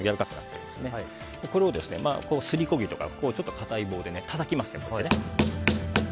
これを、すりこ木とか硬い棒でたたきます。